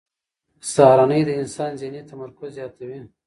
سهارنۍ د انسان ذهني تمرکز زیاتوي.